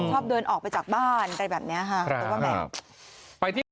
ชอบเดินออกไปจากบ้านอะไรแบบนี้ค่ะ